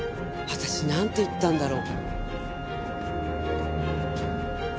私なんて言ってたんだろう？